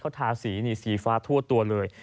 เขาทาสีฟ้าทั่วตัวเลย